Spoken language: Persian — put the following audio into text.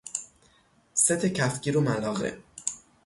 ست کفگیر و ملاقه